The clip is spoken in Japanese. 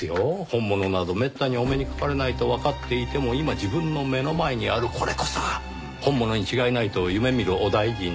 本物などめったにお目にかかれないとわかっていても今自分の目の前にあるこれこそが本物に違いないと夢見るお大尽たちが。